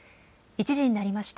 １時になりました。